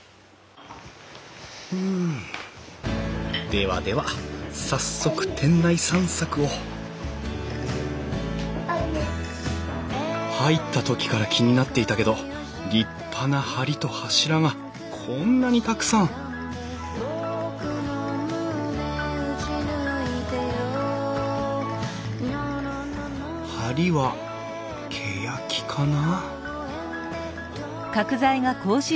ではでは早速店内散策を入った時から気になっていたけど立派な梁と柱がこんなにたくさん梁はけやきかな？